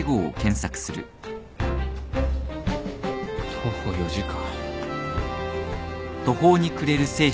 徒歩４時間。